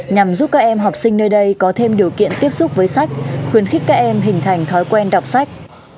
nhằm giúp các em học sinh nơi đây có thêm điều kiện tiếp xúc với sách khuyến khích các em hình thành thói quen đọc sách